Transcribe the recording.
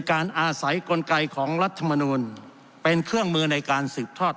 การอาศัยกลไกของรัฐมนูลเป็นเครื่องมือในการสืบทอด